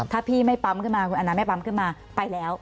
ถ้าพี่ไม่ปั๊มขึ้นมาคุณอันนั้นไม่ปั๊มขึ้นมาไปแล้ว